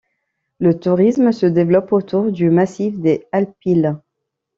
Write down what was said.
Le tourisme se développe autour du massif des Alpilles.